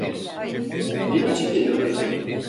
Benim için geliyorlar.